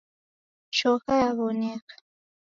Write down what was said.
Choka yaw'oneka.